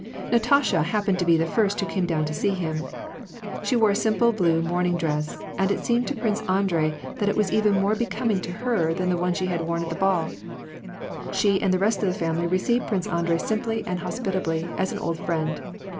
Natasha happened to be the first who came down to see him. She wore a simple blue morning dress, and it seemed to Prince Andrei that it was even more becoming to her than the one she had worn at the ball. She and the rest of the family received Prince Andrei simply and hospitably, as an old friend.